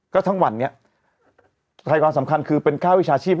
ก็ทั้งวันนี้ไทยความสำคัญคือเป็นค่าวิชาชีพ